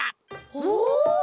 おお！